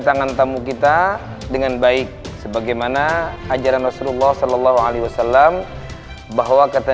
hassalamualaikum warahmatullah wabarakatuh